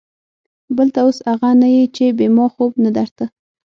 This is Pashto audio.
بل ته اوس اغه نه يې چې بې ما خوب نه درته.